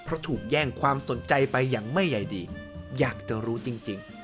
เพราะถูกแย่งความสนใจไปอย่างไม่ใหญ่ดีอยากจะรู้จริง